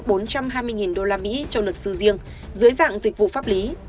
bốn trăm hai mươi usd cho luật sư riêng dưới dạng dịch vụ pháp lý